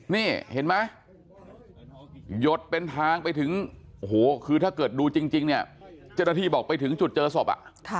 นี่เห็นไหมหยดเป็นทางไปถึงโอ้โหคือถ้าเกิดดูจริงเนี่ยเจ้าหน้าที่บอกไปถึงจุดเจอศพ